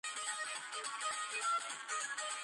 არის ილიას სახელმწიფო უნივერსიტეტის ასოცირებული პროფესორი.